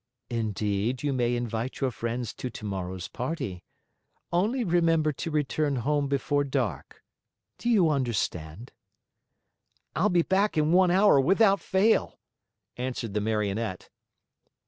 "Indeed, you may invite your friends to tomorrow's party. Only remember to return home before dark. Do you understand?" "I'll be back in one hour without fail," answered the Marionette.